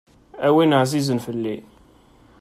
A win ɛzizen fell-i.